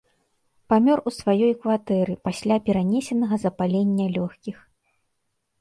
Памёр у сваёй кватэры пасля перанесенага запалення лёгкіх.